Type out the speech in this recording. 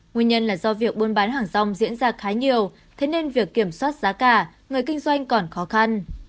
nguyên nhân là do việc buôn bán hàng rong diễn ra khá nhiều thế nên việc kiểm soát giá cả người kinh doanh còn khó khăn